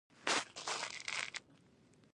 هیلۍ د همت سمبول ده